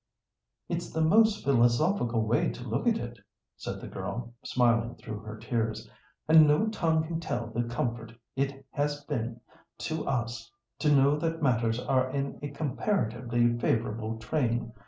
"It's the most philosophical way to look at it," said the girl, smiling through her tears, "and no tongue can tell the comfort it has been to us to know that matters are in a comparatively favourable train.